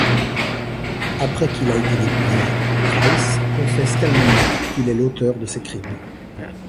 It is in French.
Après qu'il a été découvert, Price confesse calmement qu'il est l'auteur de ces crimes.